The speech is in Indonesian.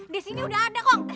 di sini udah ada kok